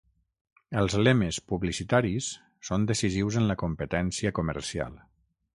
Els lemes publicitaris són decisius en la competència comercial.